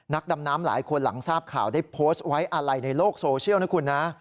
ดำน้ำหลายคนหลังทราบข่าวได้โพสต์ไว้อะไรในโลกโซเชียลนะคุณนะ